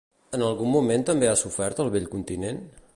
En algun moment també ha sofert el Vell Continent?